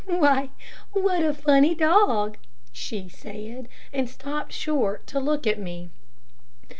"Why, what a funny dog," she said, and stopped short to looked at me.